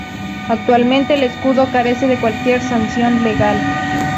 Actualmente el escudo carece de cualquier sanción legal.